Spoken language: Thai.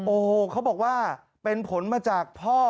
โอ้โหเขาบอกว่าเป็นผลมาจากพ่อ